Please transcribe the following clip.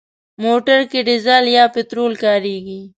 موټر کې ډيزل یا پټرول کارېږي.